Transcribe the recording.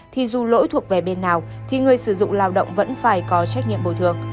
thì dù lỗi thuộc về bên nào thì người sử dụng lao động vẫn phải có trách nhiệm bồi thường